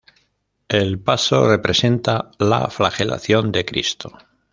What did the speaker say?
El paso representa la Flagelación de cristo.